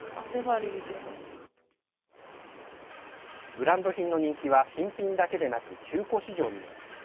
ブランド品の人気は新品だけでなく中古市場にも。